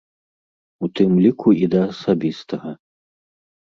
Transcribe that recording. У тым ліку і да асабістага.